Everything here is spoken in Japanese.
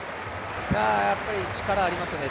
やっぱり力ありますね